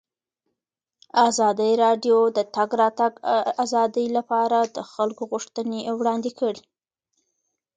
ازادي راډیو د د تګ راتګ ازادي لپاره د خلکو غوښتنې وړاندې کړي.